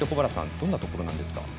どんなところなんですか。